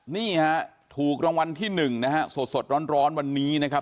นี่ถูกรางวัลที่๑สดร้อนวันนี้นะครับ